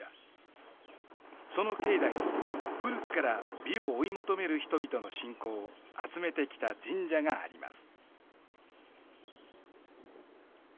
その境内に古くから美を追い求める人々の信仰を集めてきた神社があります。